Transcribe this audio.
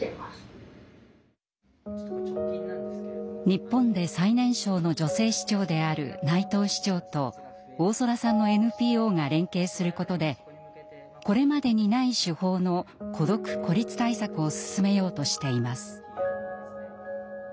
日本で最年少の女性市長である内藤市長と大空さんのＮＰＯが連携することでこれまでにない手法の孤独・孤立対策を進めようとしています。